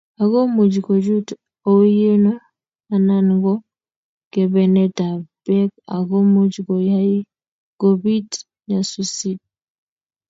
ago muuch kochut oino anan go kebenetab beek ago muuch koyaii kobiit nyasusiet